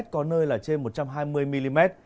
có nơi là trên một trăm hai mươi mm